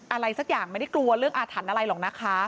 อะไรสักอย่างไม่ได้กลัวเรื่องอาถรรพ์อะไรหรอกนะคะ